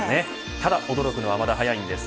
ただ驚くのは、まだ早いんです。